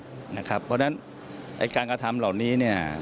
เพราะฉะนั้นการกระทำเหล่านี้เนี่ย